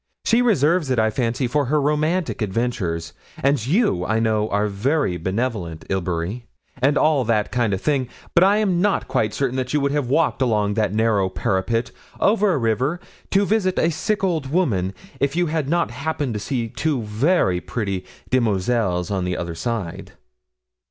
She reserves it, I fancy, for her romantic adventures; and you, I know, are very benevolent, Ilbury, and all that kind of thing; but I am not quite certain that you would have walked along that narrow parapet, over a river, to visit a sick old woman, if you had not happened to see two very pretty demoiselles on the other side.'